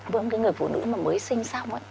với một cái người phụ nữ mà mới sinh xong ấy